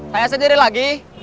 saya sendiri lagi